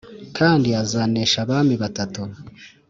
kandi azanesha abami batatu